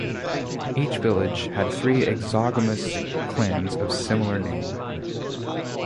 Each village had three exogamous clans of similar name.